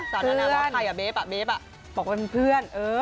สาวนานานี่บอกว่าใครอ่ะเบ๊บอ่ะเบ๊บอ่ะบอกว่าเป็นเพื่อนเออ